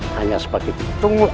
hanya sebagai ditunggu